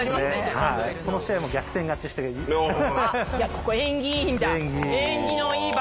ここ縁起いいんだ。